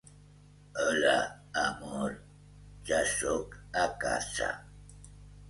Hola, amor! Ja soc a casa.